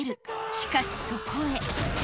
しかし、そこへ。